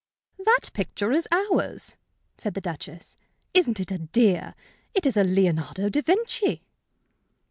"That picture is ours," said the Duchess. "Isn't it a dear? It's a Leonardo da Vinci."